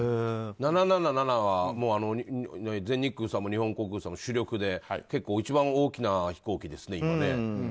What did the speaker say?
７７７は全日空さんも日本航空さんも主力で結構、一番大きな飛行機ですね。